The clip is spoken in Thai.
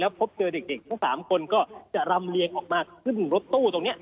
พบเจอเด็กทั้ง๓คนก็จะรำเลียงออกมาขึ้นรถตู้ตรงนี้